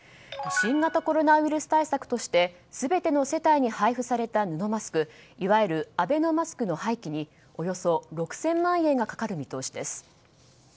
新型コロナウイルス対策として全ての世帯に配布された布マスクいわゆるアベノマスクの廃棄におよそ６０００万円がかかる見通しです。